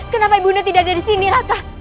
kenapa ibu nda tidak ada disini raka